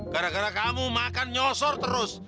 gara gara kamu makan nyosor terus